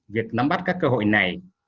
việc nắm bắt các cơ hội này